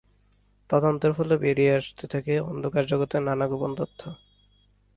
তদন্তের ফলে বেরিয়ে আসতে থাকে অন্ধকার জগতের নানা গোপন তথ্য।